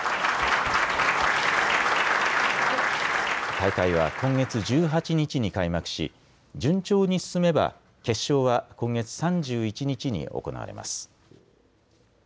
大会は今月１８日に開幕し順調に進めば決勝は今月３１日に行われます。